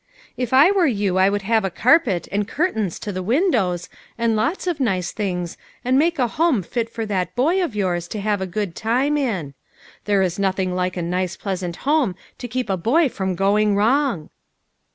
u If I were you I would have a carpet, and curtains to the 112 LITTLE FISHEES: AND THEIE NETS. windows, and lots of nice things, and make a home fit for that boy of yours to have a good time in. There is nothing like a nice pleasant home to keep a boy from going wrong."